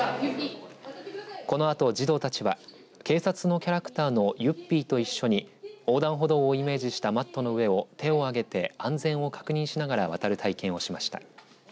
このあと、児童たちは警察のキャラクターのゆっぴーと一緒に横断歩道をイメージしたマットの上を手をあげて安全を確認しながら渡る体験をしました。